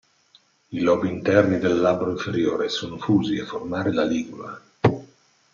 I lobi interni del labbro inferiore sono fusi a formare la ligula.